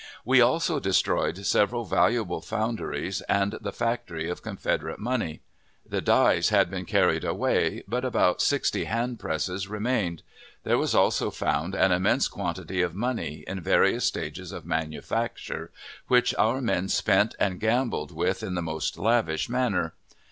We also destroyed several valuable founderies and the factory of Confederate money. The dies had been carried away, but about sixty handpresses remained. There was also found an immense quantity of money, in various stages of manufacture, which our men spent and gambled with in the most lavish manner.